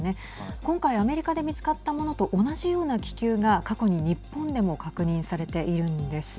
今回、アメリカで見つかったものと同じような気球が過去に日本でも確認されているんです。